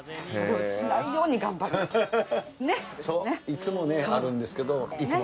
いつもねあるんですけど。